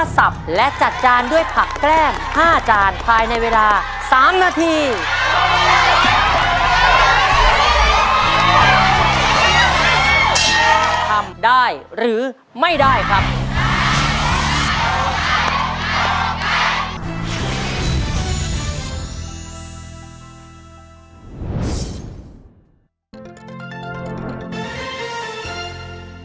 ทำได้หรือไม่ได้ครับ